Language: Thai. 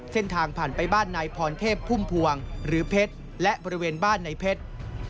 เส้นทางผ่านไปบ้านนายพรเทพพุ่มพวงหรือเพชรและบริเวณบ้านในเพชร